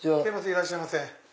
いらっしゃいませ。